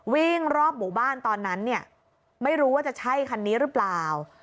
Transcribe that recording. วิ่งรอบหมู่บ้านตอนนั้นเนี่ยไม่รู้ว่าจะใช่คันนี้หรือเปล่า